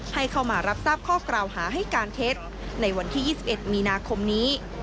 ให้เข้ามารับทราบข้อกล่าวหาให้การเท็จในวันที่๒๑มีนาคมนี้